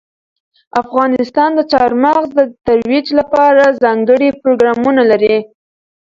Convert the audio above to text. افغانستان د چار مغز د ترویج لپاره ځانګړي پروګرامونه لري.